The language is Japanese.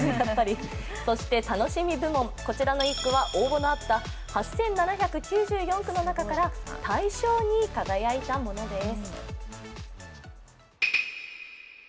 そして楽しみ部門、こちらの一句は応募のあった８７９４句の中から大賞に輝いたものです。